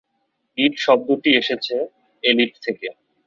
Litt শব্দটি এসেছে elite থেকে।